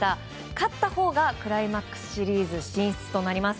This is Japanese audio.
勝ったほうがクライマックスシリーズ進出となります。